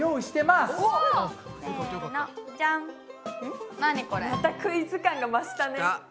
またクイズ感が増したね。